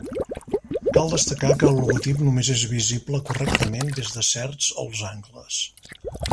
Cal destacar que el logotip només és visible correctament des de certs els angles.